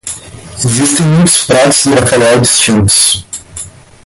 Existem muitos pratos de bacalhau distintos.